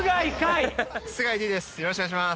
須貝Ｄです